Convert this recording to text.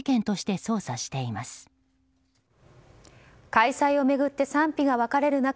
開催を巡って賛否が分かれる中